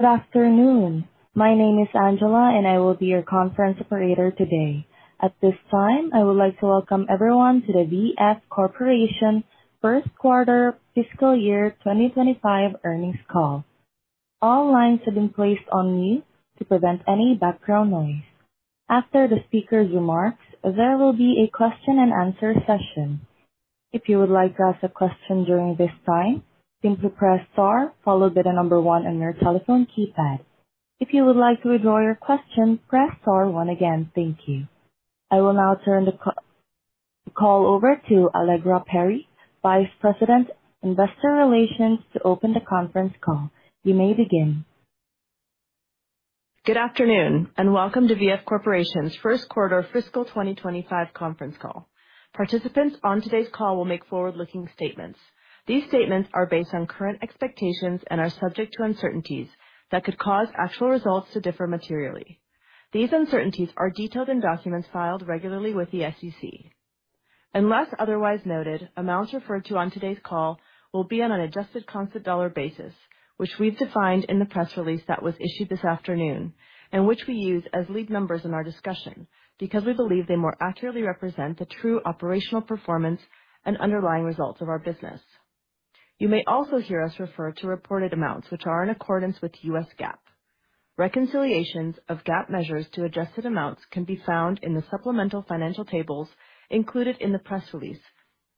Good afternoon. My name is Angela, and I will be your conference operator today. At this time, I would like to welcome everyone to the VF Corporation first quarter fiscal year 2025 earnings call. All lines have been placed on mute to prevent any background noise. After the speaker's remarks, there will be a question-and-answer session. If you would like to ask a question during this time, simply press star followed by the number one on your telephone keypad. If you would like to withdraw your question, press star one again. Thank you. I will now turn the call over to Allegra Perry, Vice President, Investor Relations, to open the conference call. You may begin. Good afternoon, and welcome to VF Corporation's first quarter fiscal 2025 conference call. Participants on today's call will make forward-looking statements. These statements are based on current expectations and are subject to uncertainties that could cause actual results to differ materially. These uncertainties are detailed in documents filed regularly with the SEC. Unless otherwise noted, amounts referred to on today's call will be on an adjusted constant dollar basis, which we've defined in the press release that was issued this afternoon, and which we use as lead numbers in our discussion, because we believe they more accurately represent the true operational performance and underlying results of our business. You may also hear us refer to reported amounts which are in accordance with U.S. GAAP. Reconciliations of GAAP measures to adjusted amounts can be found in the supplemental financial tables included in the press release,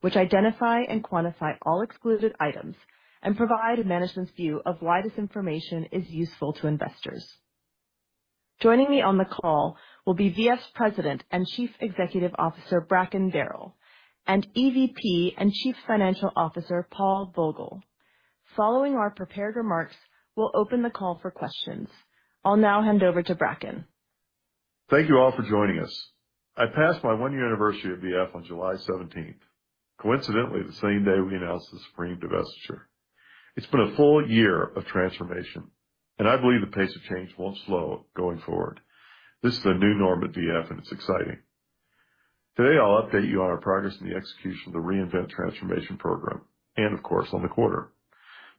which identify and quantify all excluded items and provide a management's view of why this information is useful to investors. Joining me on the call will be VF's President and Chief Executive Officer, Bracken Darrell, and EVP and Chief Financial Officer, Paul Vogel. Following our prepared remarks, we'll open the call for questions. I'll now hand over to Bracken. Thank you all for joining us. I passed my one-year anniversary at VF on July seventeenth, coincidentally, the same day we announced the Supreme divestiture. It's been a full year of transformation, and I believe the pace of change won't slow going forward. This is a new norm at VF, and it's exciting. Today, I'll update you on our progress in the execution of the Reinvent transformation program and, of course, on the quarter.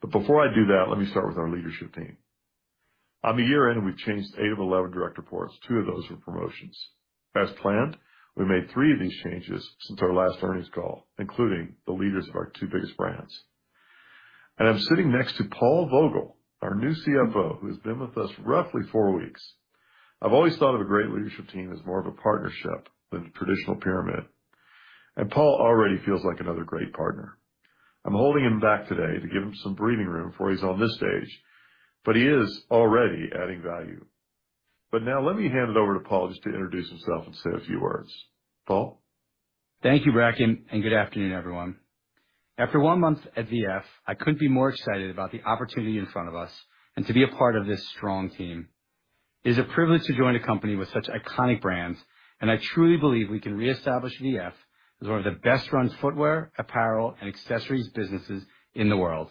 But before I do that, let me start with our leadership team. On the year-end, we've changed eight of 11 direct reports. Two of those were promotions. As planned, we made three of these changes since our last earnings call, including the leaders of our two biggest brands. And I'm sitting next to Paul Vogel, our new CFO, who has been with us roughly four weeks. I've always thought of a great leadership team as more of a partnership than the traditional pyramid, and Paul already feels like another great partner. I'm holding him back today to give him some breathing room before he's on this stage, but he is already adding value. But now let me hand it over to Paul just to introduce himself and say a few words. Paul? Thank you, Bracken, and good afternoon, everyone. After one month at VF, I couldn't be more excited about the opportunity in front of us and to be a part of this strong team. It is a privilege to join a company with such iconic brands, and I truly believe we can reestablish VF as one of the best-run footwear, apparel, and accessories businesses in the world.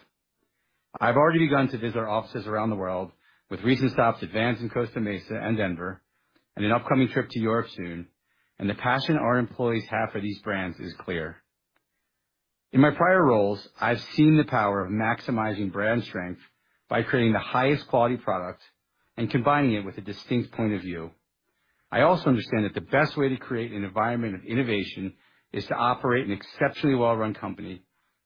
I've already begun to visit our offices around the world, with recent stops at Vans in Costa Mesa and Denver, and an upcoming trip to Europe soon, and the passion our employees have for these brands is clear. In my prior roles, I've seen the power of maximizing brand strength by creating the highest quality product and combining it with a distinct point of view. I also understand that the best way to create an environment of innovation is to operate an exceptionally well-run company,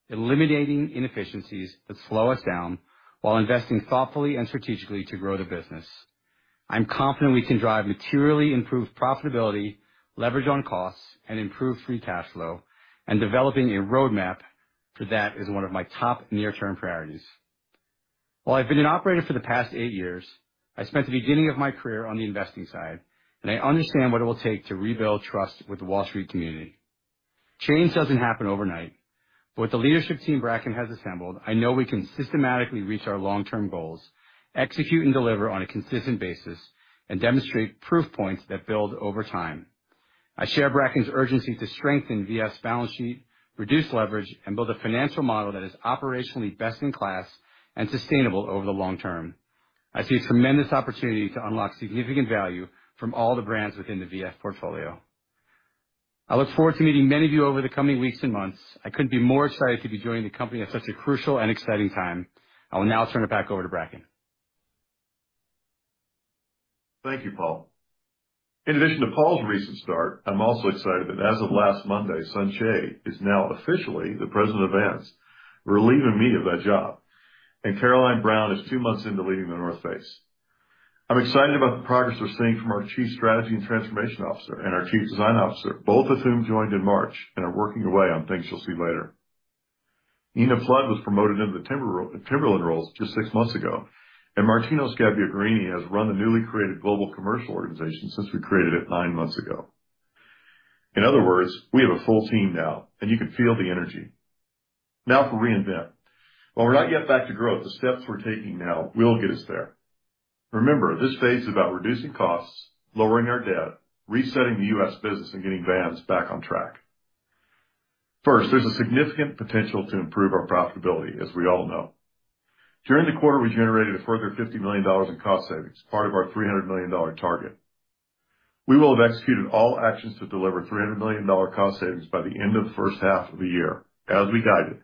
eliminating inefficiencies that slow us down while investing thoughtfully and strategically to grow the business. I'm confident we can drive materially improved profitability, leverage on costs, and improve free cash flow, and developing a roadmap for that is one of my top near-term priorities. While I've been an operator for the past eight years, I spent the beginning of my career on the investing side, and I understand what it will take to rebuild trust with the Wall Street community. Change doesn't happen overnight, but with the leadership team Bracken has assembled, I know we can systematically reach our long-term goals, execute and deliver on a consistent basis, and demonstrate proof points that build over time. I share Bracken's urgency to strengthen VF's balance sheet, reduce leverage, and build a financial model that is operationally best-in-class and sustainable over the long term. I see a tremendous opportunity to unlock significant value from all the brands within the VF portfolio. I look forward to meeting many of you over the coming weeks and months. I couldn't be more excited to be joining the company at such a crucial and exciting time. I will now turn it back over to Bracken. Thank you, Paul. In addition to Paul's recent start, I'm also excited that as of last Monday, Sun Choe is now officially the President of Vans, relieving me of that job. Caroline Brown is two months into leading The North Face. I'm excited about the progress we're seeing from our Chief Strategy and Transformation Officer and our Chief Design Officer, both of whom joined in March and are working away on things you'll see later. Nina Flood was promoted into the Timberland roles just six months ago, and Martino Scabbia Guerrini has run the newly created global commercial organization since we created it nine months ago. In other words, we have a full team now, and you can feel the energy. Now for Reinvent. While we're not yet back to growth, the steps we're taking now will get us there. Remember, this phase is about reducing costs, lowering our debt, resetting the U.S. business, and getting Vans back on track. First, there's a significant potential to improve our profitability, as we all know. During the quarter, we generated a further $50 million in cost savings, part of our $300 million target. We will have executed all actions to deliver $300 million cost savings by the end of the first half of the year, as we guided,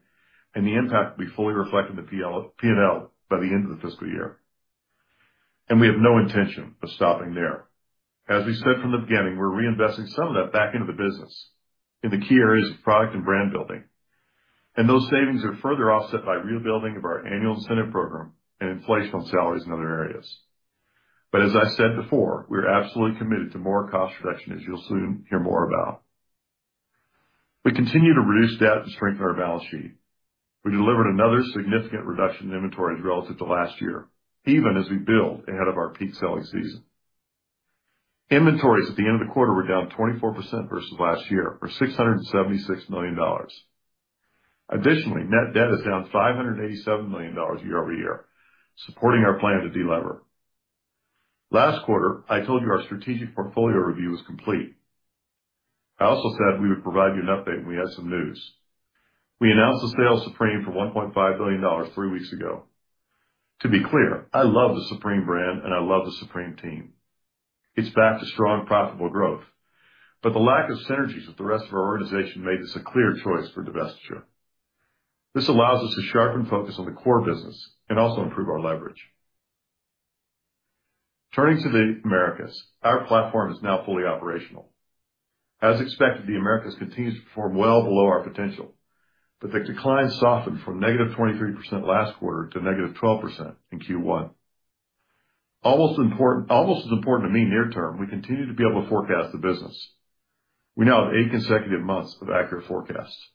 and the impact will be fully reflected in the P&L by the end of the fiscal year. We have no intention of stopping there. As we said from the beginning, we're reinvesting some of that back into the business in the key areas of product and brand building, and those savings are further offset by rebuilding of our annual incentive program and inflation on salaries in other areas. But as I said before, we're absolutely committed to more cost reduction, as you'll soon hear more about. We continue to reduce debt and strengthen our balance sheet. We delivered another significant reduction in inventories relative to last year, even as we build ahead of our peak selling season. Inventories at the end of the quarter were down 24% versus last year, or $676 million. Additionally, net debt is down $587 million year-over-year, supporting our plan to delever. Last quarter, I told you our strategic portfolio review was complete. I also said we would provide you an update when we had some news. We announced the sale of Supreme for $1.5 billion three weeks ago. To be clear, I love the Supreme brand, and I love the Supreme team. It's back to strong, profitable growth, but the lack of synergies with the rest of our organization made this a clear choice for divestiture. This allows us to sharpen focus on the core business and also improve our leverage. Turning to the Americas, our platform is now fully operational. As expected, the Americas continues to perform well below our potential, but the decline softened from negative 23% last quarter to negative 12% in Q1. Almost as important to me near term, we continue to be able to forecast the business. We now have eight consecutive months of accurate forecasts.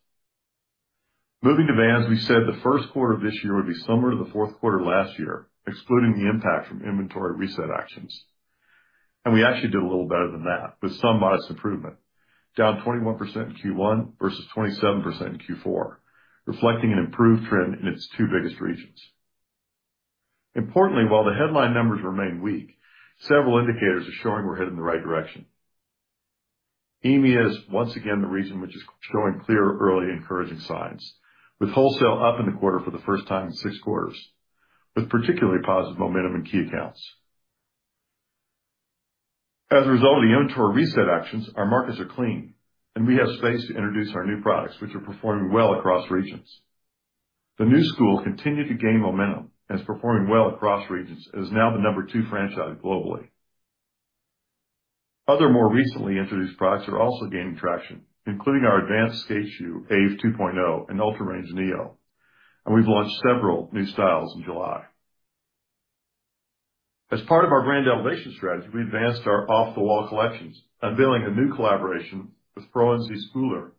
Moving to Vans, we said the first quarter of this year would be similar to the fourth quarter last year, excluding the impact from inventory reset actions, and we actually did a little better than that with some modest improvement, down 21% in Q1 versus 27% in Q4, reflecting an improved trend in its two biggest regions. Importantly, while the headline numbers remain weak, several indicators are showing we're headed in the right direction. EMEA is once again the region which is showing clear, early, encouraging signs, with wholesale up in the quarter for the first time in six quarters, with particularly positive momentum in key accounts. As a result of the inventory reset actions, our markets are clean, and we have space to introduce our new products, which are performing well across regions. The Knu Skool continued to gain momentum and is performing well across regions and is now the number two franchise globally. Other more recently introduced products are also gaining traction, including our advanced skate shoe, AVE 2.0, and UltraRange Neo, and we've launched several new styles in July. As part of our brand elevation strategy, we advanced our Off The Wall collections, unveiling a new collaboration with Franzisk Ugler,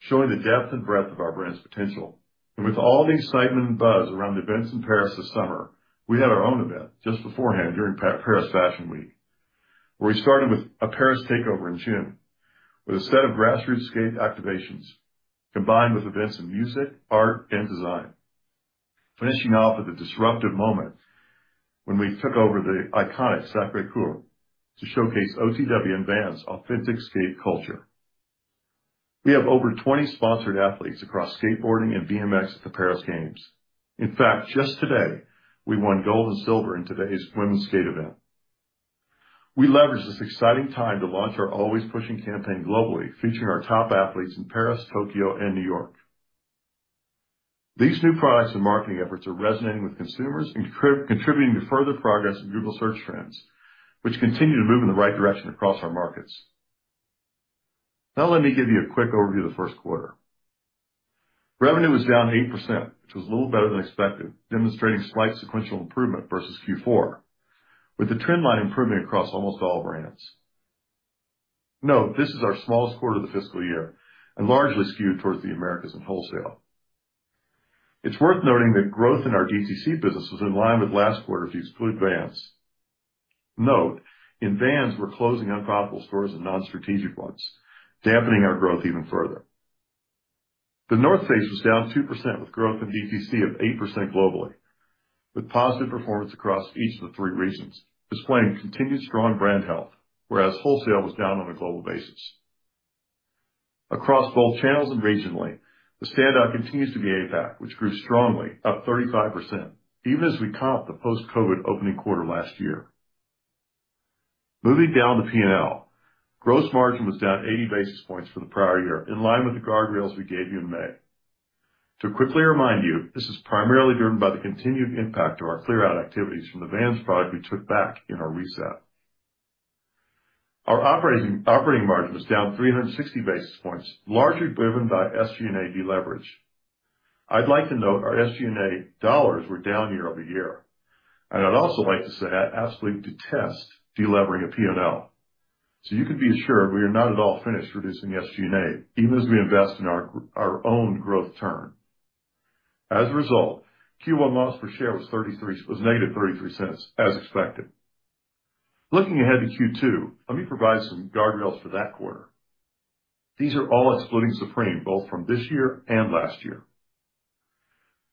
showing the depth and breadth of our brand's potential. And with all the excitement and buzz around events in Paris this summer, we had our own event just beforehand, during Paris Fashion Week, where we started with a Paris takeover in June, with a set of grassroots skate activations combined with events in music, art, and design. Finishing off with a disruptive moment when we took over the iconic Sacré-Cœur to showcase OTW and Vans authentic skate culture. We have over 20 sponsored athletes across skateboarding and BMX at the Paris Games. In fact, just today, we won gold and silver in today's women's skate event. We leveraged this exciting time to launch our Always Pushing campaign globally, featuring our top athletes in Paris, Tokyo, and New York. These new products and marketing efforts are resonating with consumers and contributing to further progress in Google Search trends, which continue to move in the right direction across our markets. Now let me give you a quick overview of the first quarter. Revenue was down 8%, which was a little better than expected, demonstrating slight sequential improvement versus Q4, with the trend line improving across almost all brands. Note: this is our smallest quarter of the fiscal year and largely skewed towards the Americas and wholesale. It's worth noting that growth in our DTC business was in line with last quarter, if you exclude Vans. Note, in Vans, we're closing unprofitable stores and non-strategic ones, dampening our growth even further. The North Face was down 2%, with growth in DTC of 8% globally, with positive performance across each of the three regions, displaying continued strong brand health, whereas wholesale was down on a global basis. Across both channels and regionally, the standout continues to be APAC, which grew strongly, up 35%, even as we comp the post-COVID opening quarter last year. Moving down the P&L, gross margin was down 80 basis points from the prior year, in line with the guardrails we gave you in May. To quickly remind you, this is primarily driven by the continued impact of our clearout activities from the Vans product we took back in our reset. Our operating margin was down 360 basis points, largely driven by SG&A deleverage. I'd like to note our SG&A dollars were down year-over-year, and I'd also like to say I absolutely detest delevering a P&L. So you can be assured we are not at all finished reducing SG&A, even as we invest in our own growth turn. As a result, Q1 loss per share was -$0.33, as expected. Looking ahead to Q2, let me provide some guardrails for that quarter. These are all excluding Supreme, both from this year and last year.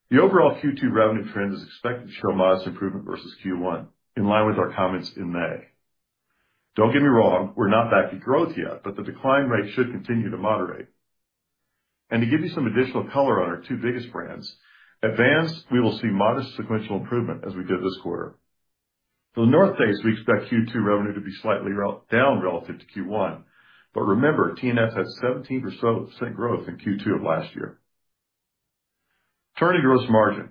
The overall Q2 revenue trend is expected to show modest improvement versus Q1, in line with our comments in May. Don't get me wrong, we're not back to growth yet, but the decline rate should continue to moderate. To give you some additional color on our two biggest brands, at Vans, we will see modest sequential improvement as we did this quarter. For The North Face, we expect Q2 revenue to be slightly down relative to Q1. But remember, TNF had 17% growth in Q2 of last year. Turning to gross margin,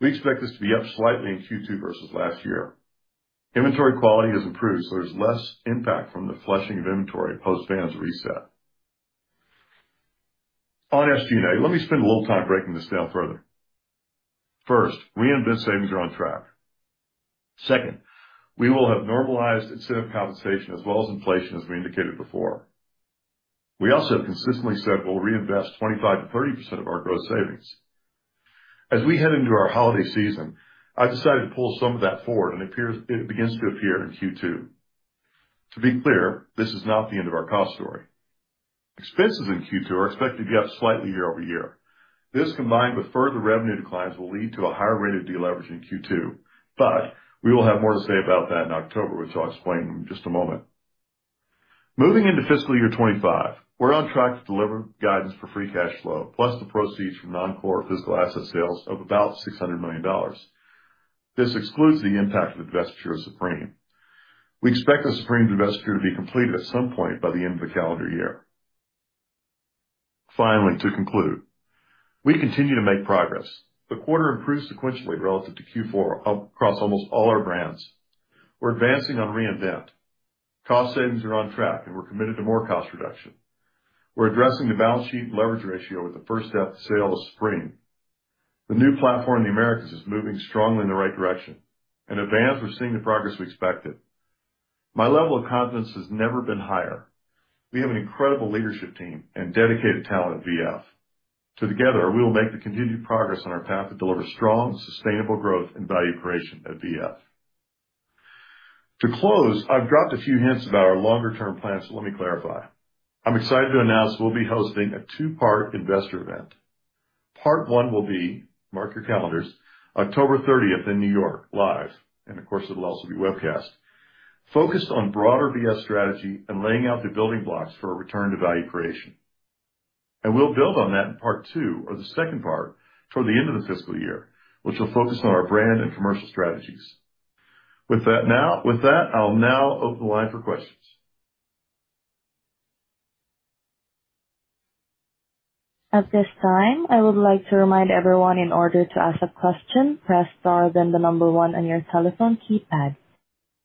we expect this to be up slightly in Q2 versus last year. Inventory quality has improved, so there's less impact from the flushing of inventory post Vans reset. On SG&A, let me spend a little time breaking this down further. First, Reinvent savings are on track. Second, we will have normalized incentive compensation as well as inflation, as we indicated before. We also have consistently said we'll reinvest 25%-30% of our gross savings. As we head into our holiday season, I decided to pull some of that forward, and it appears, it begins to appear in Q2. To be clear, this is not the end of our cost story. Expenses in Q2 are expected to be up slightly year-over-year. This, combined with further revenue declines, will lead to a higher rate of deleverage in Q2, but we will have more to say about that in October, which I'll explain in just a moment. Moving into fiscal year 2025, we're on track to deliver guidance for free cash flow, plus the proceeds from non-core physical asset sales of about $600 million. This excludes the impact of the divestiture of Supreme. We expect the Supreme divestiture to be completed at some point by the end of the calendar year. Finally, to conclude, we continue to make progress. The quarter improved sequentially relative to Q4 across almost all our brands. We're advancing on Reinvent. Cost savings are on track, and we're committed to more cost reduction. We're addressing the balance sheet leverage ratio with the first step to sale of Supreme. The new platform in the Americas is moving strongly in the right direction, and at Vans, we're seeing the progress we expected. My level of confidence has never been higher. We have an incredible leadership team and dedicated talent at VF. So together, we will make the continued progress on our path to deliver strong, sustainable growth and value creation at VF. To close, I've dropped a few hints about our longer term plans, so let me clarify. I'm excited to announce we'll be hosting a two-part investor event. Part one will be, mark your calendars, October thirtieth in New York, live, and of course, it'll also be webcast, focused on broader VF strategy and laying out the building blocks for a return to value creation. We'll build on that in part two, or the second part, toward the end of the fiscal year, which will focus on our brand and commercial strategies. With that, I'll now open the line for questions. At this time, I would like to remind everyone, in order to ask a question, press star, then the number one on your telephone keypad.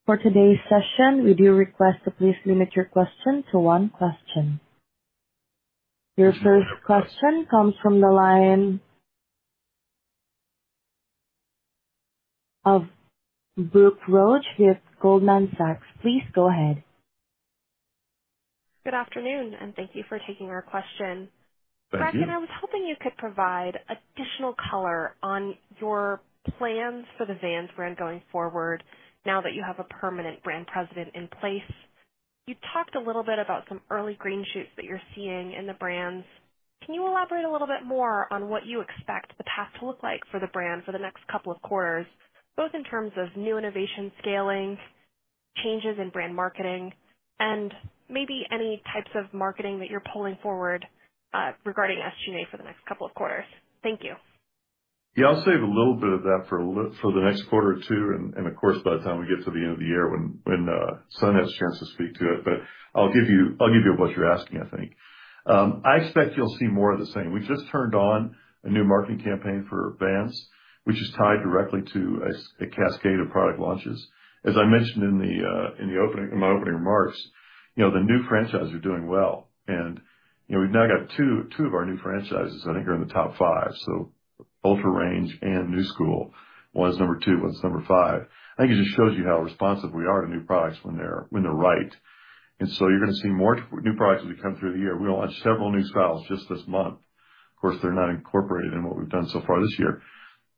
For today's session, we do request to please limit your question to one question. Your first question comes from the line of Brooke Roach with Goldman Sachs. Please go ahead. Good afternoon, and thank you for taking our question. Thank you. Bracken, I was hoping you could provide additional color on your plans for the Vans brand going forward now that you have a permanent brand president in place. You talked a little bit about some early green shoots that you're seeing in the brands. Can you elaborate a little bit more on what you expect the path to look like for the brand for the next couple of quarters, both in terms of new innovation, scaling, changes in brand marketing, and maybe any types of marketing that you're pulling forward, regarding SG&A for the next couple of quarters? Thank you. Yeah, I'll save a little bit of that for a little—for the next quarter or two, and of course, by the time we get to the end of the year, when Sunny has a chance to speak to it, but I'll give you, I'll give you what you're asking, I think. I expect you'll see more of the same. We just turned on a new marketing campaign for Vans, which is tied directly to a cascade of product launches. As I mentioned in the opening, in my opening remarks, you know, the new franchises are doing well, and, you know, we've now got 2 of our new franchises, I think, are in the top 5, so UltraRange and Knu Skool. One's number 2, one's number 5. I think it just shows you how responsive we are to new products when they're right. And so you're gonna see more new products as we come through the year. We launched several new styles just this month. Of course, they're not incorporated in what we've done so far this year.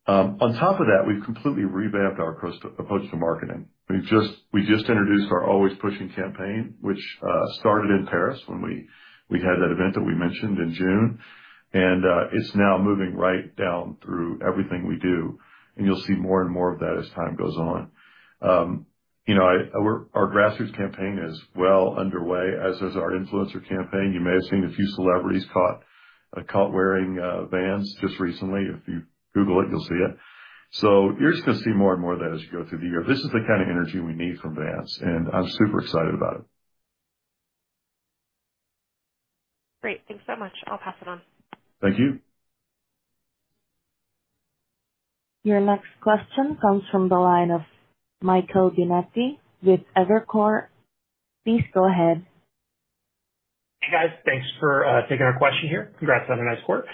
On top of that, we've completely revamped our approach to marketing. We've just introduced our Always Pushing campaign, which started in Paris when we had that event that we mentioned in June. And it's now moving right down through everything we do, and you'll see more and more of that as time goes on. You know, our grassroots campaign is well underway, as is our influencer campaign. You may have seen a few celebrities caught wearing Vans just recently. If you Google it, you'll see it. So you're just gonna see more and more of that as you go through the year. This is the kind of energy we need from Vans, and I'm super excited about it. Great. Thanks so much. I'll pass it on. Thank you. Your next question comes from the line of Michael Binetti with Evercore. Please go ahead. Hey, guys. Thanks for taking our question here. Congrats on a nice quarter.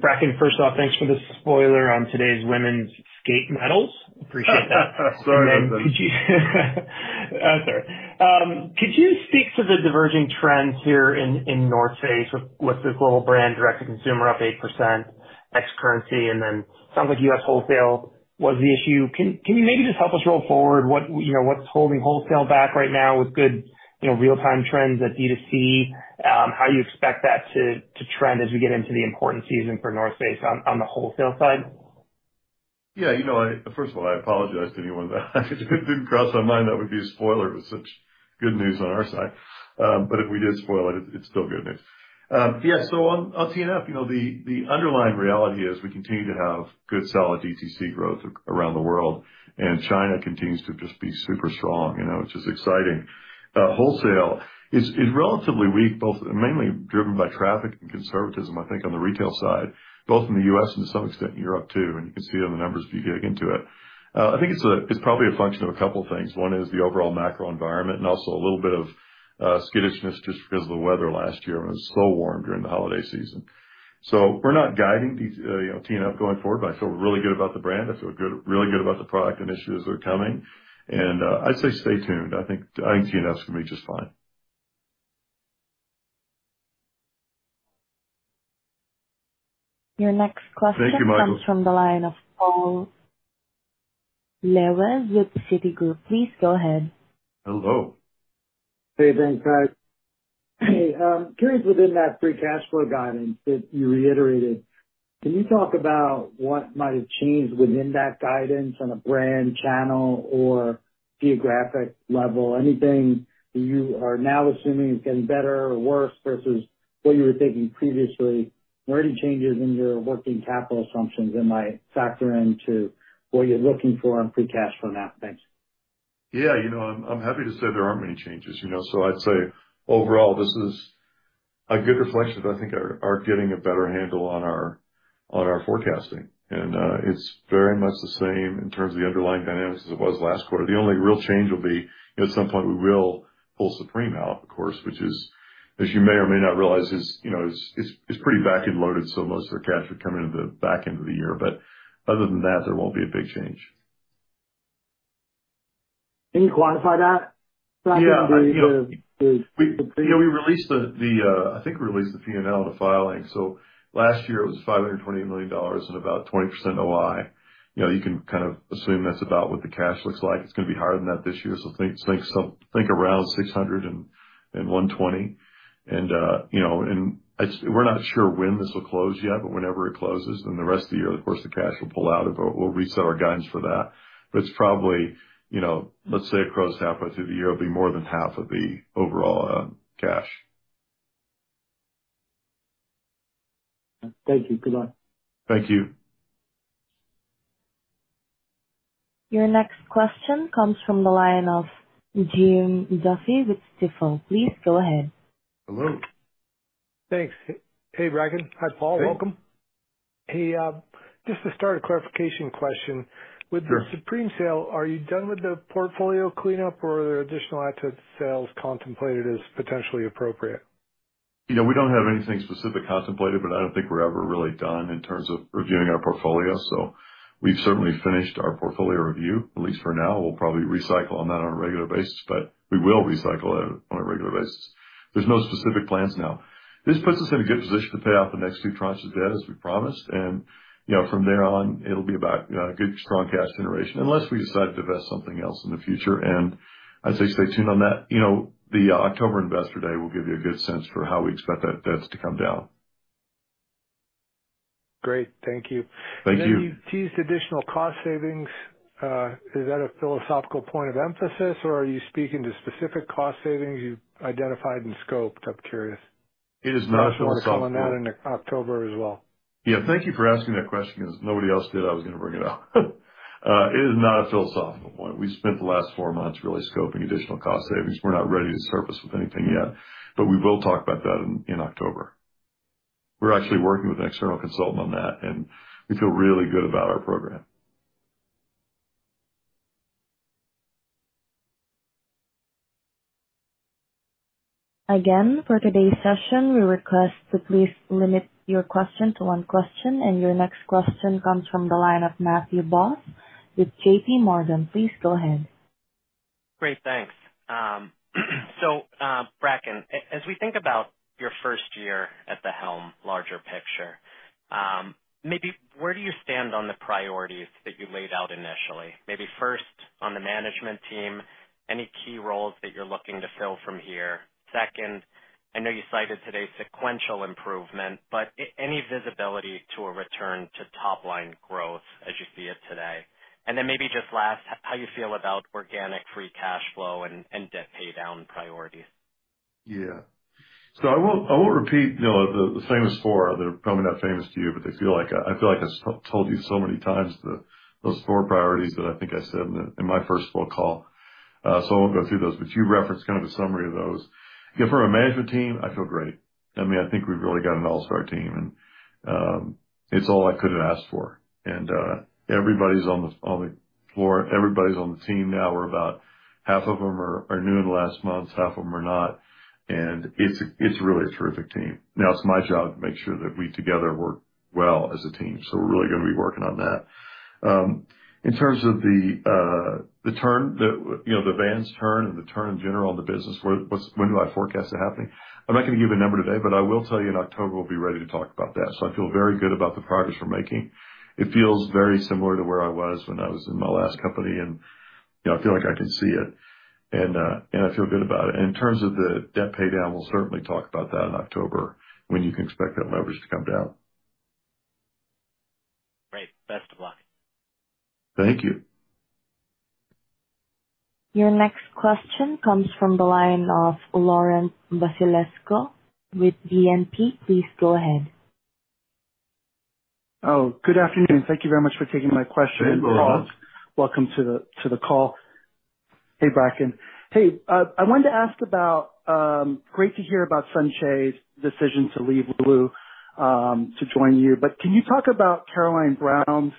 Bracken, first off, thanks for the spoiler on today's women's skate medals. Appreciate that. Sorry about that. Sorry. Could you speak to the diverging trends here in North Face with the global brand direct-to-consumer up 8%, ex currency, and then sounds like U.S. wholesale was the issue. Can you maybe just help us roll forward what, you know, what's holding wholesale back right now with good, you know, real-time trends at D2C, how you expect that to trend as we get into the important season for North Face on the wholesale side?... Yeah, you know, first of all, I apologize to anyone. It didn't cross my mind that would be a spoiler with such good news on our side. But if we did spoil it, it's still good news. Yeah, so on TNF, you know, the underlying reality is we continue to have good, solid DTC growth around the world, and China continues to just be super strong. You know, it's just exciting. Wholesale is relatively weak, mainly driven by traffic and conservatism, I think, on the retail side, both in the U.S. and to some extent in Europe, too. And you can see it on the numbers if you dig into it. I think it's probably a function of a couple things. One is the overall macro environment and also a little bit of skittishness just because of the weather last year. It was so warm during the holiday season. So we're not guiding these, you know, TNF going forward, but I feel really good about the brand. I feel good, really good about the product initiatives that are coming. And I'd say stay tuned. I think TNF's gonna be just fine. Your next question- Thank you, Michael. Comes from the line of Paul Lejuez with Citigroup. Please go ahead. Hello. Hey, Bracken. Curious, within that free cash flow guidance that you reiterated, can you talk about what might have changed within that guidance on a brand, channel, or geographic level? Anything that you are now assuming is getting better or worse versus what you were thinking previously? And where any changes in your working capital assumptions that might factor into what you're looking for on free cash flow now? Thanks. Yeah, you know, I'm happy to say there aren't many changes, you know. So I'd say overall, this is a good reflection that I think are getting a better handle on our forecasting. And it's very much the same in terms of the underlying dynamics as it was last quarter. The only real change will be, at some point, we will pull Supreme out, of course, which is, as you may or may not realize, you know, is pretty back-end loaded, so most of their cash would come into the back end of the year. But other than that, there won't be a big change. Can you quantify that? Yeah. So I can get the- You know, we released the P&L, the filing. So last year it was $520 million and about 20% OI. You know, you can kind of assume that's about what the cash looks like. It's gonna be higher than that this year, so think around 600 and 120. And you know, and I just... We're not sure when this will close yet, but whenever it closes, then the rest of the year, of course, the cash will pull out of it. We'll reset our guidance for that. But it's probably, you know, let's say across halfway through the year, it'll be more than half of the overall cash. Thank you. Good luck. Thank you. Your next question comes from the line of Jim Duffy with Stifel. Please go ahead. Hello. Thanks. Hey, Bracken. Hi, Paul, welcome. Hey. Hey, just to start, a clarification question. Sure. With the Supreme sale, are you done with the portfolio cleanup, or are there additional asset sales contemplated as potentially appropriate? You know, we don't have anything specific contemplated, but I don't think we're ever really done in terms of reviewing our portfolio. So we've certainly finished our portfolio review, at least for now. We'll probably recycle on that on a regular basis, but we will recycle it on a regular basis. There's no specific plans now. This puts us in a good position to pay off the next two tranches of debt, as we promised, and, you know, from there on, it'll be about good, strong cash generation, unless we decide to divest something else in the future. And I'd say stay tuned on that. You know, the October investor day will give you a good sense for how we expect that debts to come down. Great. Thank you. Thank you. You teased additional cost savings. Is that a philosophical point of emphasis, or are you speaking to specific cost savings you've identified and scoped? I'm curious. It is not a philosophical- Call on that in October as well. Yeah, thank you for asking that question, because nobody else did. I was gonna bring it up. It is not a philosophical point. We spent the last four months really scoping additional cost savings. We're not ready to surface with anything yet, but we will talk about that in, in October. We're actually working with an external consultant on that, and we feel really good about our program. Again, for today's session, we request to please limit your question to one question, and your next question comes from the line of Matthew Boss with J.P. Morgan. Please go ahead. Great, thanks. So, Bracken, as we think about your first year at the helm, larger picture, maybe where do you stand on the priorities that you laid out initially? Maybe first, on the management team, any key roles that you're looking to fill from here? Second, I know you cited today sequential improvement, but any visibility to a return to top-line growth as you see it today? And then maybe just last, how you feel about organic free cash flow and debt paydown priorities? Yeah. So I won't, I won't repeat, you know, the, the famous four. They're probably not famous to you, but they feel like a... I feel like I've told you so many times the, those four priorities that I think I said in the, in my first phone call. So I won't go through those, but you referenced kind of a summary of those. Yeah, from a management team, I feel great. I mean, I think we've really got an all-star team, and, it's all I could have asked for. And, everybody's on the, on the floor. Everybody's on the team now. We're about, half of them are, are new in the last month, half of them are not, and it's a, it's really a terrific team. Now, it's my job to make sure that we together work well as a team, so we're really gonna be working on that. In terms of the turn, you know, the Vans' turn and the turn in general in the business, what's, when do I forecast it happening? I'm not gonna give a number today, but I will tell you in October, we'll be ready to talk about that. So I feel very good about the progress we're making. It feels very similar to where I was when I was in my last company, and, you know, I feel like I can see it, and I feel good about it. And in terms of the debt paydown, we'll certainly talk about that in October, when you can expect that leverage to come down. Thank you. Your next question comes from the line of Laurent Vasilescu with BNP. Please go ahead. Oh, good afternoon. Thank you very much for taking my question. Hey, Laurent. Welcome to the call. Hey, Bracken. Hey, I wanted to ask about great to hear about Sun Choe's decision to leave Lululemon to join you. But can you talk about Caroline Brown's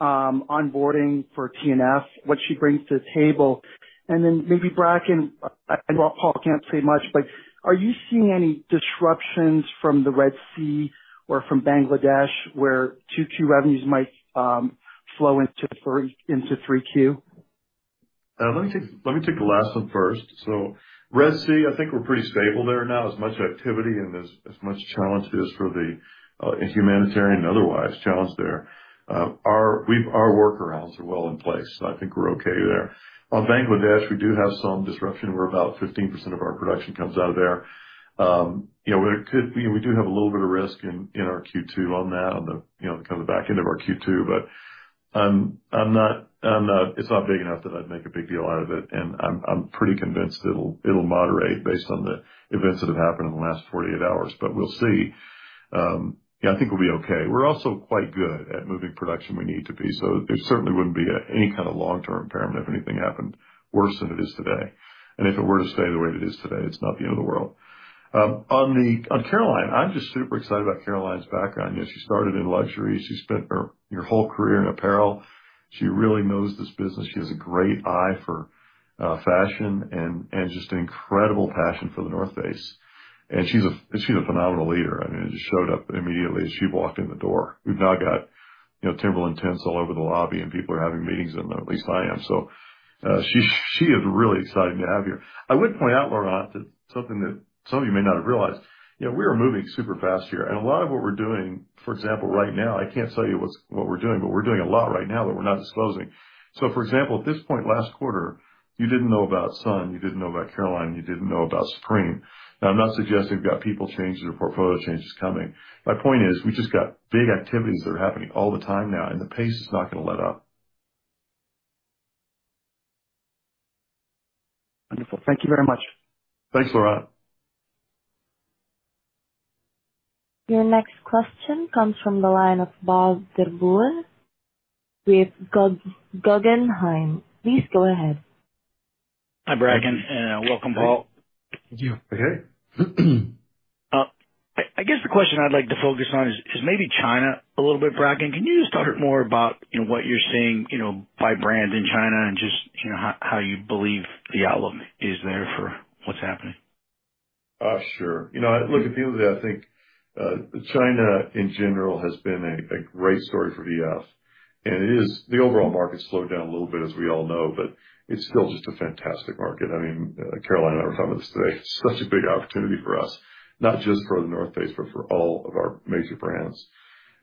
onboarding for TNF, what she brings to the table? And then maybe Bracken, I know Paul can't say much, but are you seeing any disruptions from the Red Sea or from Bangladesh, where two key revenues might flow into 3Q? Let me take the last one first. So Red Sea, I think we're pretty stable there now. As much activity and as much challenge as for the humanitarian otherwise challenge there, our workarounds are well in place, so I think we're okay there. On Bangladesh, we do have some disruption, where about 15% of our production comes out of there. You know, there could be, we do have a little bit of risk in our Q2 on that, on the you know, kind of the back end of our Q2. But, I'm not—It's not big enough that I'd make a big deal out of it, and I'm pretty convinced it'll moderate based on the events that have happened in the last 48 hours, but we'll see. Yeah, I think we'll be okay. We're also quite good at moving production where we need to be, so there certainly wouldn't be any kind of long-term impairment if anything happened worse than it is today. If it were to stay the way it is today, it's not the end of the world. On Caroline, I'm just super excited about Caroline's background. You know, she started in luxury. She spent her whole career in apparel. She really knows this business. She has a great eye for fashion and just an incredible passion for The North Face. She's a phenomenal leader. I mean, it just showed up immediately as she walked in the door. We've now got, you know, Timberland tents all over the lobby, and people are having meetings in them, or at least I am. So, she is really exciting to have here. I would point out, Laurent, that something that some of you may not have realized, you know, we are moving super fast here. And a lot of what we're doing, for example, right now, I can't tell you what's what we're doing, but we're doing a lot right now that we're not disclosing. So, for example, at this point last quarter, you didn't know about Sun, you didn't know about Caroline, you didn't know about Supreme. Now, I'm not suggesting we've got people changes or portfolio changes coming. My point is, we just got big activities that are happening all the time now, and the pace is not going to let up. Wonderful. Thank you very much. Thanks, Laurent. Your next question comes from the line of Bob Drbul with Guggenheim. Please go ahead. Hi, Bracken, and welcome, Paul. Thank you. Okay? I guess the question I'd like to focus on is maybe China a little bit, Bracken. Can you just talk more about, you know, what you're seeing, you know, by brand in China and just, you know, how you believe the outlook is there for what's happening? Sure. You know, look, at the end of the day, I think, China in general has been a great story for VF, and it is. The overall market slowed down a little bit, as we all know, but it's still just a fantastic market. I mean, Caroline and I were talking about this today, such a big opportunity for us, not just for The North Face, but for all of our major brands.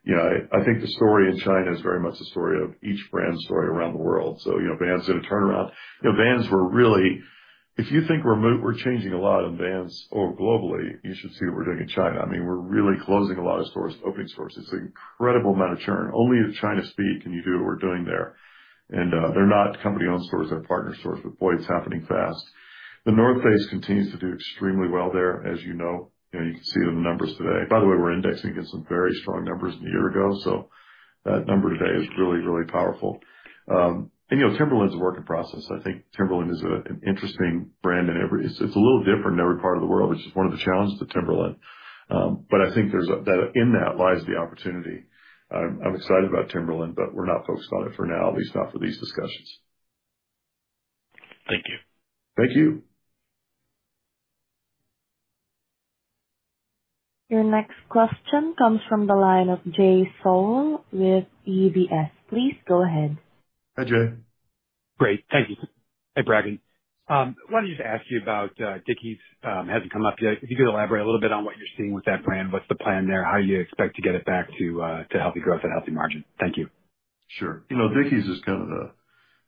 You know, I think the story in China is very much a story of each brand's story around the world. So, you know, Vans did a turnaround. You know, Vans were really. If you think we're we're changing a lot in Vans or globally, you should see what we're doing in China. I mean, we're really closing a lot of stores, opening stores. It's an incredible amount of churn. Only in China speed can you do what we're doing there. And, they're not company-owned stores, they're partner stores, but boy, it's happening fast. The North Face continues to do extremely well there, as you know, and you can see it in the numbers today. By the way, we're indexing against some very strong numbers a year ago, so that number today is really, really powerful. And you know, Timberland's a work in process. I think Timberland is an interesting brand in every. It's, it's a little different in every part of the world, which is one of the challenges to Timberland. But I think there's that in that lies the opportunity. I'm excited about Timberland, but we're not focused on it for now, at least not for these discussions. Thank you. Thank you. Your next question comes from the line of Jay Sole with UBS. Please go ahead. Hi, Jay. Great. Thank you. Hey, Bracken. Wanted to just ask you about Dickies. Hasn't come up yet. If you could elaborate a little bit on what you're seeing with that brand, what's the plan there? How do you expect to get it back to healthy growth and healthy margin? Thank you. Sure. You know, Dickies is kind of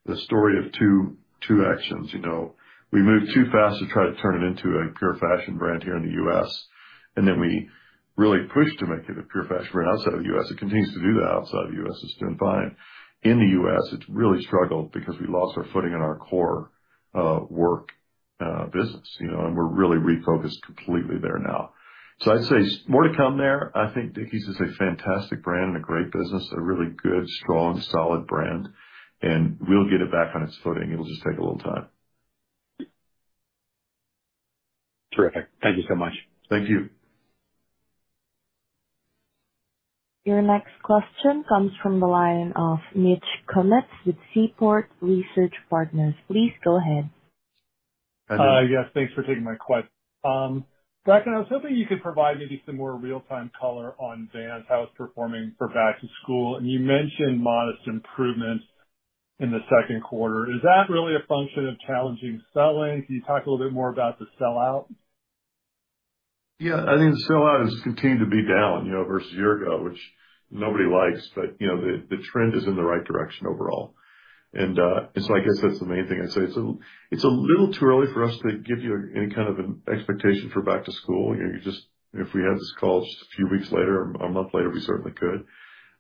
the story of two actions. You know, we moved too fast to try to turn it into a pure fashion brand here in the U.S., and then we really pushed to make it a pure fashion brand outside of the U.S. It continues to do that outside of the U.S., it's doing fine. In the U.S., it's really struggled because we lost our footing in our core work business, you know, and we're really refocused completely there now. So I'd say more to come there. I think Dickies is a fantastic brand and a great business, a really good, strong, solid brand, and we'll get it back on its footing. It'll just take a little time. Terrific. Thank you so much. Thank you. Your next question comes from the line of Mitch Kummetz with Seaport Research Partners. Please go ahead. Hi, Mitch. Bracken, I was hoping you could provide maybe some more real-time color on Vans, how it's performing for back to school. You mentioned modest improvements in the second quarter. Is that really a function of challenging selling? Can you talk a little bit more about the sellout? Yeah, I think the sellout has continued to be down, you know, versus a year ago, which nobody likes, but, you know, the trend is in the right direction overall. I guess that's the main thing I'd say. It's a little too early for us to give you any kind of an expectation for back to school. You know, you just if we had this call just a few weeks later or a month later, we certainly could.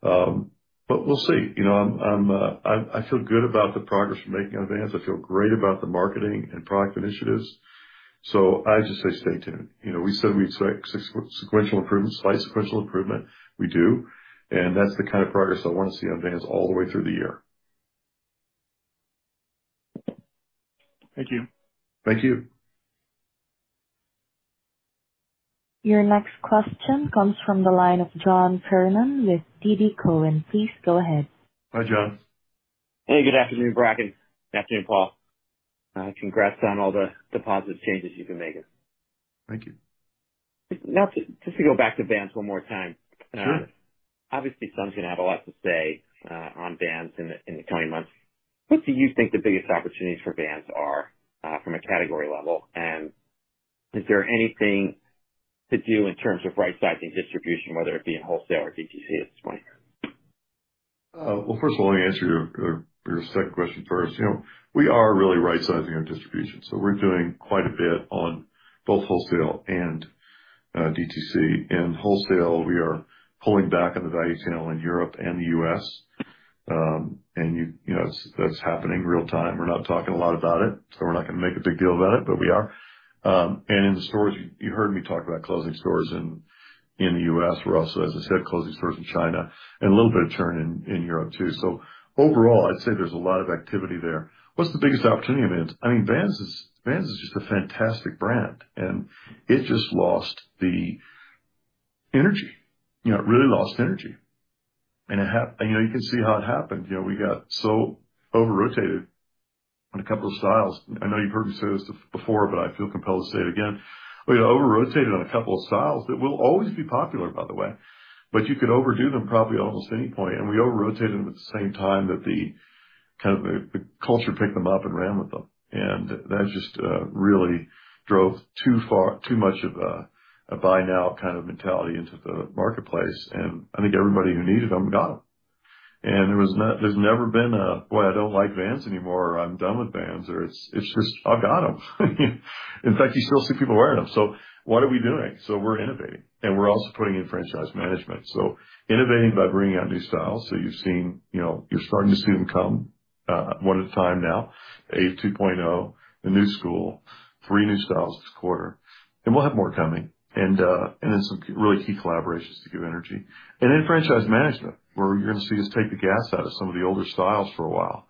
But we'll see. You know, I feel good about the progress we're making on Vans. I feel great about the marketing and product initiatives. So I just say, stay tuned. You know, we said we expect six- sequential improvement, slight sequential improvement. We do, and that's the kind of progress I want to see on Vans all the way through the year. Thank you. Thank you. Your next question comes from the line of John Kernan with TD Cowen. Please go ahead. Hi, John. Hey, good afternoon, Bracken. Good afternoon, Paul. Congrats on all the positive changes you've been making. Thank you. Just to go back to Vans one more time. Sure. Obviously, Sun's gonna have a lot to say on Vans in the coming months. What do you think the biggest opportunities for Vans are from a category level? And is there anything to do in terms of right-sizing distribution, whether it be in wholesale or DTC at this point? Well, first of all, let me answer your second question first. You know, we are really right-sizing our distribution, so we're doing quite a bit on both wholesale and DTC. In wholesale, we are pulling back on the value channel in Europe and the U.S., and you know, that's happening real time. We're not talking a lot about it, so we're not going to make a big deal about it, but we are. And in the stores, you heard me talk about closing stores in the U.S. We're also, as I said, closing stores in China and a little bit of churn in Europe, too. So overall, I'd say there's a lot of activity there. What's the biggest opportunity in Vans? I mean, Vans is, Vans is just a fantastic brand, and it just lost the energy. You know, it really lost energy, and it happened. You know, you can see how it happened. You know, we got so over-rotated on a couple of styles. I know you've heard me say this before, but I feel compelled to say it again. We over-rotated on a couple of styles that will always be popular, by the way, but you could overdo them probably almost any point. And we over-rotated them at the same time that the, kind of the, the culture picked them up and ran with them. And that just really drove too far, too much of a buy now kind of mentality into the marketplace. And I think everybody who needed them got them. And there was, there's never been a, "Boy, I don't like Vans anymore," or, "I'm done with Vans," or it's, it's just, "I've got them." In fact, you still see people wearing them. So what are we doing? So we're innovating, and we're also putting in franchise management. So innovating by bringing out new styles. So you've seen, you know, you're starting to see them come, one at a time now. AVE 2.0, the Knu Skool, three new styles this quarter, and we'll have more coming. And, and then some really key collaborations to give energy. And then franchise management, where you're going to see us take the gas out of some of the older styles for a while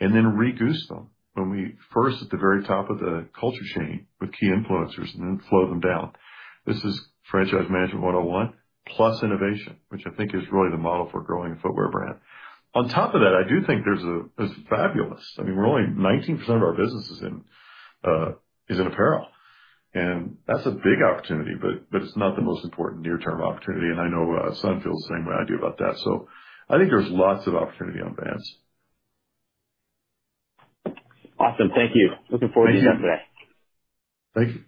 and then reboost them when we first, at the very top of the culture chain, with key influencers and then flow them down. This is franchise management one on one, plus innovation, which I think is really the model for growing a footwear brand. On top of that, I do think there's a, this is fabulous. I mean, we're only 19% of our business is in, is in apparel, and that's a big opportunity, but, but it's not the most important near-term opportunity. And I know, Sun feels the same way I do about that. So I think there's lots of opportunity on Vans. Awesome. Thank you. Looking forward to seeing that. Thank you.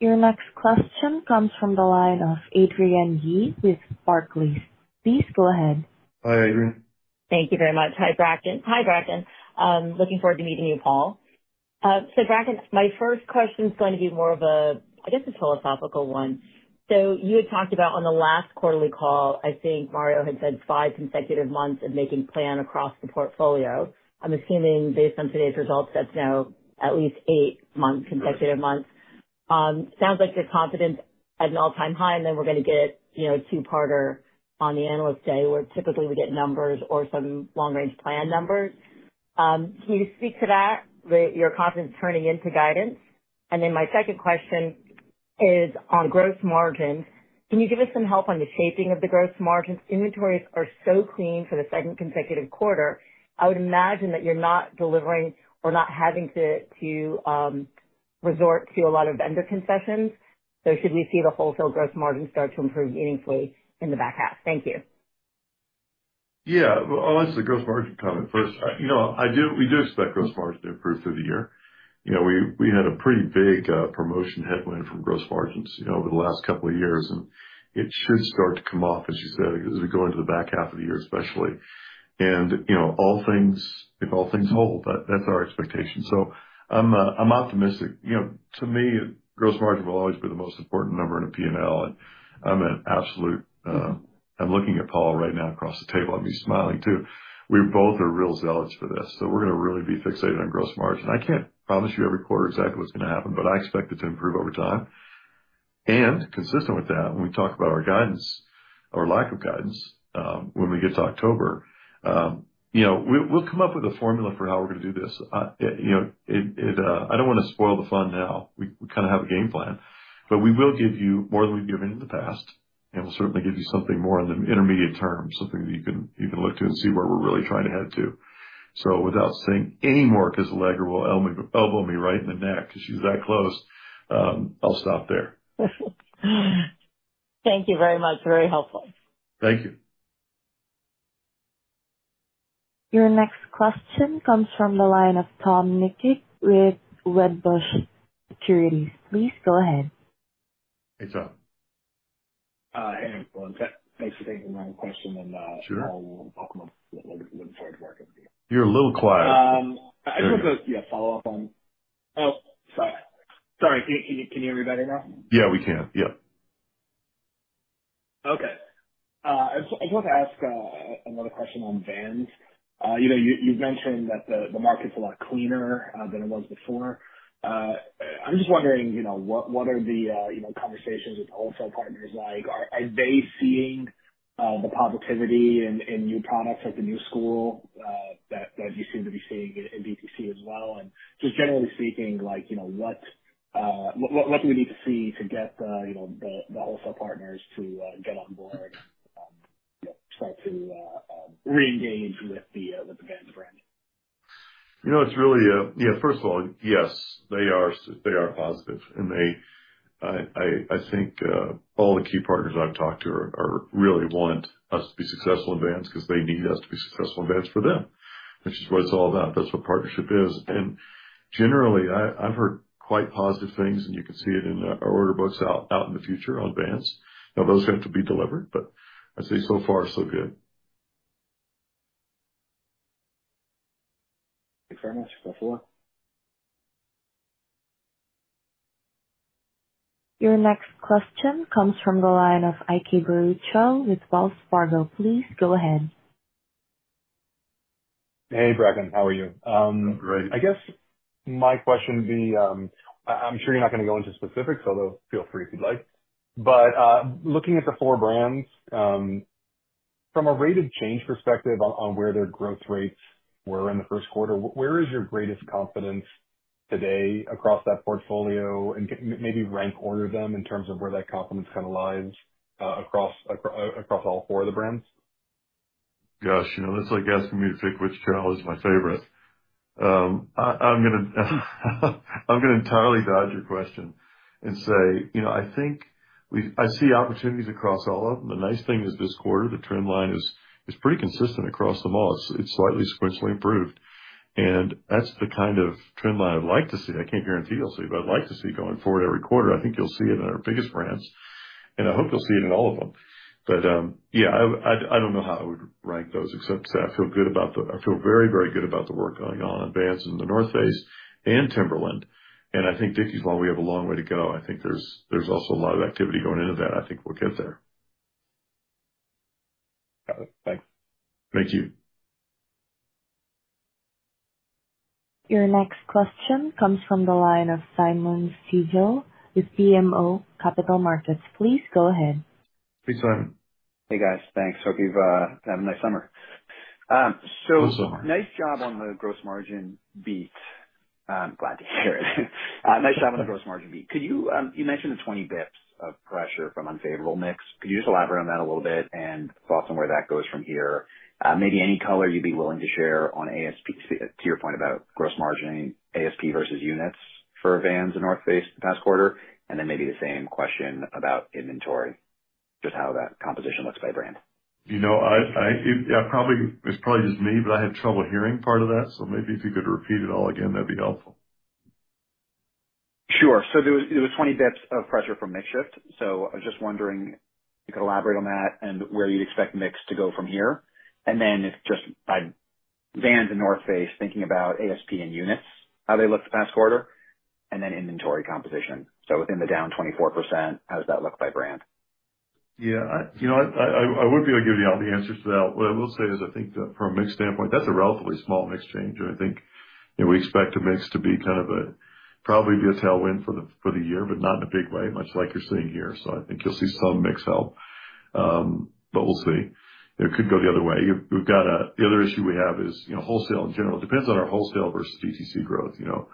Your next question comes from the line of Adrienne Yih with Barclays. Please go ahead. Hi, Adrienne. Thank you very much. Hi, Bracken. Hi, Bracken. Looking forward to meeting you, Paul. So Bracken, my first question is going to be more of a, I guess, a philosophical one. So you had talked about on the last quarterly call, I think Martino had said five consecutive months of making plan across the portfolio. I'm assuming, based on today's results, that's now at least eight months, consecutive months. Sounds like your confidence at an all-time high, and then we're going to get, you know, a two-parter on the Analyst Day, where typically we get numbers or some long-range plan numbers. Can you speak to that, that your confidence turning into guidance? And then my second question is on gross margins. Can you give us some help on the shaping of the gross margins? Inventories are so clean for the second consecutive quarter. I would imagine that you're not delivering or not having to resort to a lot of vendor concessions. So should we see the wholesale gross margin start to improve meaningfully in the back half? Thank you. Yeah. Well, I'll answer the gross margin comment first. You know, I do, we do expect gross margin to improve through the year. You know, we, we had a pretty big, promotion headwind from gross margins, you know, over the last couple of years, and it should start to come off, as you said, as we go into the back half of the year, especially. And, you know, all things, if all things hold, that, that's our expectation. So I'm, I'm optimistic. You know, to me, gross margin will always be the most important number in a P&L, and I'm an absolute... I'm looking at Paul right now across the table at me, smiling, too. We both are real zealots for this, so we're gonna really be fixated on gross margin. I can't promise you every quarter exactly what's gonna happen, but I expect it to improve over time. And consistent with that, when we talk about our guidance or lack of guidance, when we get to October, you know, we'll come up with a formula for how we're gonna do this. You know, it, I don't want to spoil the fun now. We kind of have a game plan, but we will give you more than we've given in the past, and we'll certainly give you something more on the intermediate term, something that you can look to and see where we're really trying to head to. So without saying any more, because Allegra will elbow me right in the neck, because she's that close, I'll stop there. Thank you very much. Very helpful. Thank you. Your next question comes from the line of Tom Nikic with Wedbush Securities. Please go ahead. Hey, Tom. ... I am. Well, if that makes you take another question, then, Sure. I'll come up with, looking forward to working with you. You're a little quiet. I just have, yeah, a follow-up on... Oh, sorry. Sorry, can you hear me better now? Yeah, we can. Yep. Okay. I just, I just wanted to ask another question on Vans. You know, you, you've mentioned that the market's a lot cleaner than it was before. I'm just wondering, you know, what are the you know, conversations with wholesale partners like? Are they seeing the positivity in new products, like the Knu Skool, that you seem to be seeing in DTC as well? And just generally speaking, like, you know, what do we need to see to get you know, the wholesale partners to get on board, start to reengage with the with the Vans brand? You know, it's really. Yeah, first of all, yes, they are positive, and I think all the key partners I've talked to are really want us to be successful in Vans because they need us to be successful in Vans for them, which is what it's all about. That's what partnership is. And generally, I've heard quite positive things, and you can see it in our order books out in the future on Vans. Now, those have to be delivered, but I'd say so far, so good. Thank you very much. Appreciate it. Your next question comes from the line of Ike Boruchow with Wells Fargo. Please go ahead. Hey, Bracken, how are you? I'm great. I guess my question would be, I'm sure you're not going to go into specifics, although feel free if you'd like. But, looking at the four brands, from a rate of change perspective on where their growth rates were in the first quarter, where is your greatest confidence today across that portfolio? And maybe rank order them in terms of where that confidence kind of lies, across all four of the brands. Gosh, you know, that's like asking me to pick which child is my favorite. I'm gonna entirely dodge your question and say, you know, I think we see opportunities across all of them. The nice thing is, this quarter, the trend line is pretty consistent across them all. It's slightly sequentially improved, and that's the kind of trend line I'd like to see. I can't guarantee you'll see, but I'd like to see going forward every quarter. I think you'll see it in our biggest brands, and I hope you'll see it in all of them. But, yeah, I don't know how I would rank those, except to say I feel good about the work going on in Vans and The North Face and Timberland. I feel very, very good about it. I think Dickies, while we have a long way to go, I think there's also a lot of activity going into that. I think we'll get there. Got it. Thanks. Thank you. Your next question comes from the line of Simeon Siegel with BMO Capital Markets. Please go ahead. Hey, Simon. Hey, guys. Thanks. Hope you've had a nice summer. You also. So nice job on the gross margin beat. I'm glad to hear it. Nice job on the gross margin beat. Could you, You mentioned the 20 basis points of pressure from unfavorable mix. Could you just elaborate on that a little bit and thought on where that goes from here? Maybe any color you'd be willing to share on ASP, to, to your point about gross margin, ASP versus units for Vans and The North Face the past quarter, and then maybe the same question about inventory, just how that composition looks by brand. You know, it's probably just me, but I had trouble hearing part of that, so maybe if you could repeat it all again, that'd be helpful. Sure. So there was 20 basis points of pressure from mix shift, so I was just wondering if you could elaborate on that and where you'd expect mix to go from here. And then just by Vans and North Face, thinking about ASP and units, how they looked the past quarter, and then inventory composition. So within the down 24%, how does that look by brand? Yeah, you know, I wouldn't be able to give you all the answers to that. What I will say is, I think that from a mix standpoint, that's a relatively small mix change. I think that we expect the mix to be kind of a, probably be a tailwind for the year, but not in a big way, much like you're seeing here. So I think you'll see some mix help. But we'll see. It could go the other way. We've got a... The other issue we have is, you know, wholesale in general. Depends on our wholesale versus DTC growth, you know.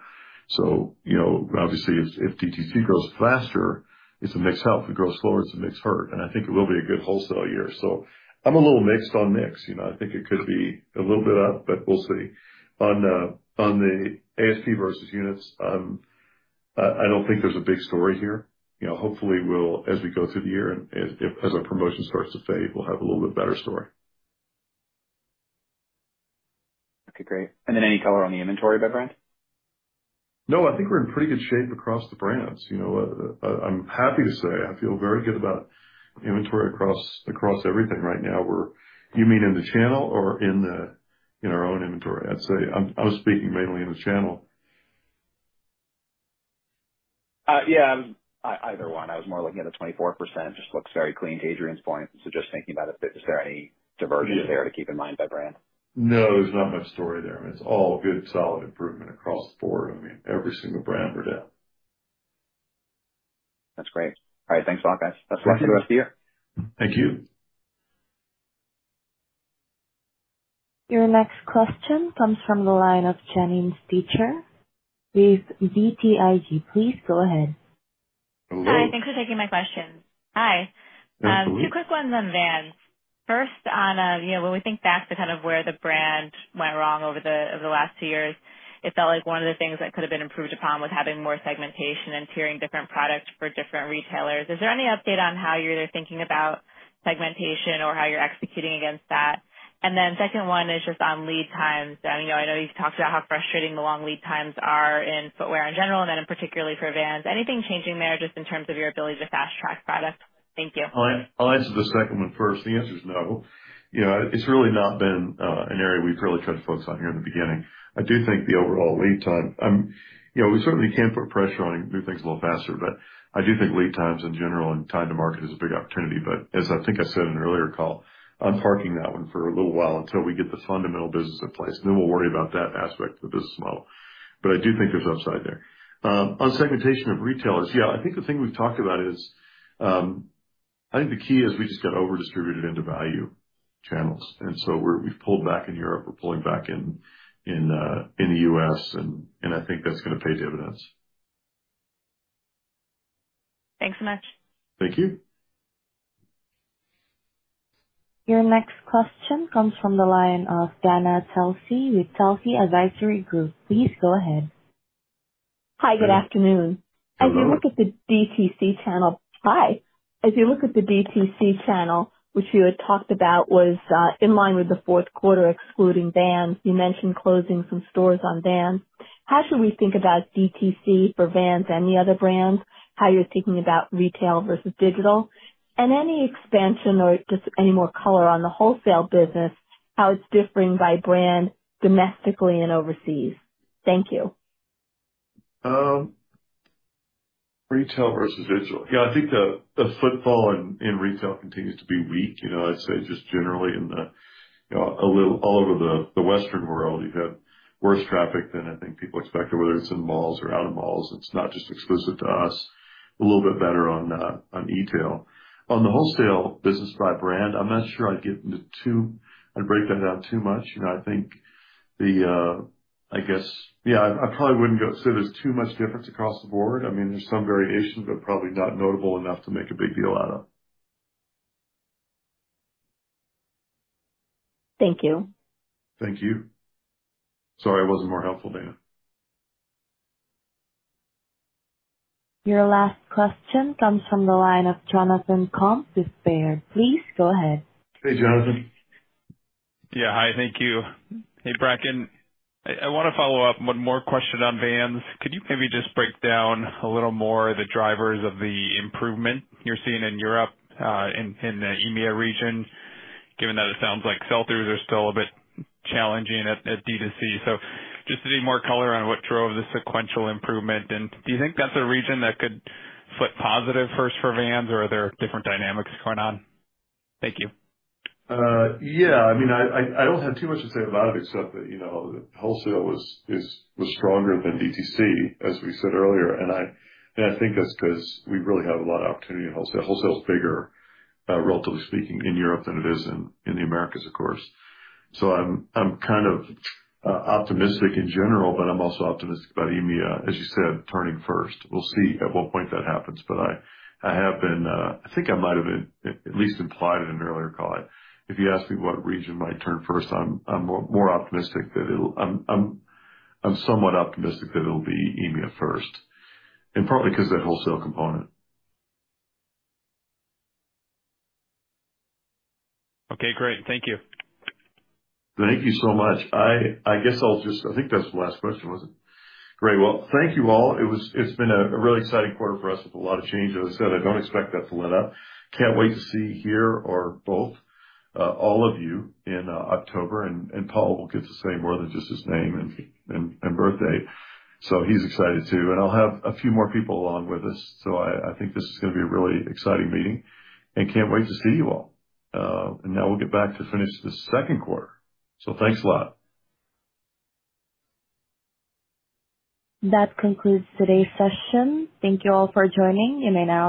So, you know, obviously, if DTC grows faster, it's a mix help. If it grows slower, it's a mix hurt. And I think it will be a good wholesale year. So I'm a little mixed on mix, you know. I think it could be a little bit up, but we'll see. On the ASP versus units, I don't think there's a big story here. You know, hopefully, we'll as we go through the year and as our promotion starts to fade, we'll have a little bit better story. Okay, great. And then any color on the inventory by brand? No, I think we're in pretty good shape across the brands. You know, I'm happy to say I feel very good about inventory across everything right now. You mean in the channel or in our own inventory? I'd say I was speaking mainly in the channel. Yeah, I was, either one. I was more looking at the 24%, just looks very clean to Adrienne's point. So just thinking about if there, is there any divergence there to keep in mind by brand? No, there's not much story there. It's all good, solid improvement across the board. I mean, every single brand we're down. That's great. All right, thanks a lot, guys. Have a great rest of your year. Thank you. Your next question comes from the line of Janine Stichter with BTIG. Please go ahead. Hello. Hi, thanks for taking my question. Hi. Hi, Janine. Two quick ones on Vans. First, on, you know, when we think back to kind of where the brand went wrong over the, over the last two years, it felt like one of the things that could have been improved upon was having more segmentation and tiering different products for different retailers. Is there any update on how you're thinking about segmentation or how you're executing against that? ... And then second one is just on lead times. I know, I know you've talked about how frustrating the long lead times are in footwear in general, and then in particular for Vans. Anything changing there, just in terms of your ability to fast track products? Thank you. I'll answer the second one first. The answer is no. You know, it's really not been an area we've really tried to focus on here in the beginning. I do think the overall lead time, you know, we certainly can put pressure on and do things a little faster, but I do think lead times in general and time to market is a big opportunity. But as I think I said in an earlier call, I'm parking that one for a little while until we get the fundamental business in place, then we'll worry about that aspect of the business model. But I do think there's upside there. On segmentation of retailers, yeah, I think the thing we've talked about is, I think the key is we just got over-distributed into value channels, and so we've pulled back in Europe, we're pulling back in the US, and I think that's gonna pay dividends. Thanks so much. Thank you. Your next question comes from the line of Dana Telsey with Telsey Advisory Group. Please go ahead. Hi, good afternoon. Hello. As you look at the DTC channel, which you had talked about was in line with the fourth quarter, excluding Vans, you mentioned closing some stores on Vans. How should we think about DTC for Vans and the other brands, how you're thinking about retail versus digital? And any expansion or just any more color on the wholesale business, how it's differing by brand, domestically and overseas? Thank you. Retail versus digital. Yeah, I think the footfall in retail continues to be weak. You know, I'd say just generally, you know, a little all over the Western world, you've had worse traffic than I think people expected, whether it's in malls or out of malls. It's not just exclusive to us. A little bit better on e-tail. On the wholesale business by brand, I'm not sure I'd get into too, I'd break that down too much. You know, I think, I guess. Yeah, I probably wouldn't go say there's too much difference across the board. I mean, there's some variations, but probably not notable enough to make a big deal out of. Thank you. Thank you. Sorry I wasn't more helpful, Dana. Your last question comes from the line of Jonathan Komp with Baird. Please go ahead. Hey, Jonathan. Yeah. Hi, thank you. Hey, Bracken, I wanna follow up one more question on Vans. Could you maybe just break down a little more the drivers of the improvement you're seeing in Europe, in the EMEA region, given that it sounds like sell-throughs are still a bit challenging at D2C? So just to get more color on what drove the sequential improvement, and do you think that's a region that could flip positive first for Vans, or are there different dynamics going on? Thank you. Yeah. I mean, I don't have too much to say about it, except that, you know, wholesale was stronger than DTC, as we said earlier, and I think that's because we really have a lot of opportunity in wholesale. Wholesale is bigger, relatively speaking, in Europe than it is in the Americas, of course. So I'm kind of optimistic in general, but I'm also optimistic about EMEA, as you said, turning first. We'll see at what point that happens, but I have been, I think I might have been at least implied in an earlier call, if you ask me what region might turn first, I'm somewhat optimistic that it'll be EMEA first, and partly because of the wholesale component. Okay, great. Thank you. Thank you so much. I guess I'll just... I think that's the last question, was it? Great. Well, thank you all. It's been a really exciting quarter for us with a lot of change. As I said, I don't expect that to let up. Can't wait to see here or both, all of you in October, and Paul will get to say more than just his name and birthday. So he's excited, too, and I'll have a few more people along with us, so I think this is gonna be a really exciting meeting and can't wait to see you all. And now we'll get back to finish the second quarter. So thanks a lot. That concludes today's session. Thank you all for joining, and now-